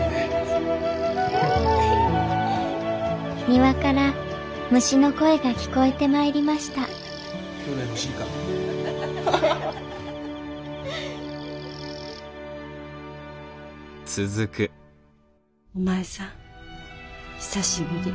庭から虫の声が聞こえてまいりましたお前さん久しぶり。